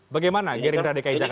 bagaimana gerindra dki jakarta